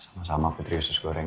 sama sama putri usus goreng